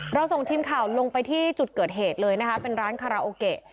ส่งทีมข่าวลงไปที่จุดเกิดเหตุเลยนะคะเป็นร้านคาราโอเกะ